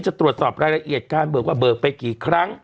จะตรวจสอบรายละเอียดการเบิกว่าเบิกไปกี่ครั้ง